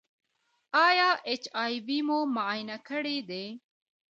ایا ایچ آی وي مو معاینه کړی دی؟